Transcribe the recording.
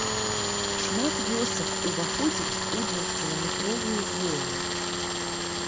Шмат вёсак уваходзіць у двухкіламетровую зону.